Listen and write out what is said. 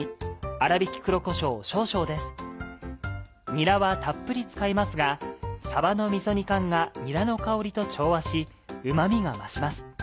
にらはたっぷり使いますがさばのみそ煮缶がにらの香りと調和しうま味が増します。